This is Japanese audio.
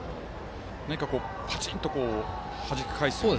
何かパチンとはじき返すような。